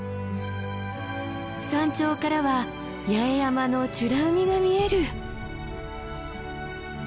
山頂からは八重山の美ら海が見える。